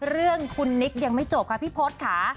เรื่องคุณนิกยังไม่จบค่ะพี่พศค่ะ